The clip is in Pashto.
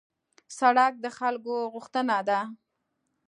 سړک د خلکو غوښتنه ده.